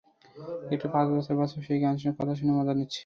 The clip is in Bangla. একটি পাঁচ বছরের বাচ্চাও সেই গান শুনে, কথা শুনে মজা নিচ্ছে।